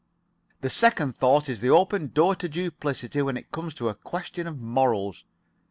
The second thought is the open door to duplicity when it comes to a question of morals.